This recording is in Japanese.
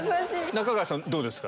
中川さんどうですか？